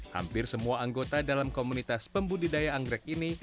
hampir semua anggota dalam komunitas pembudidaya anggrek ini